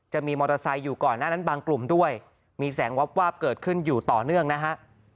จะมีมอเตอร์ไซค์อยู่ก่อนหน้านั้นบางกลุ่มด้วยมีแสงวับวาบเกิดขึ้นอยู่ต่อเนื่องนะฮะ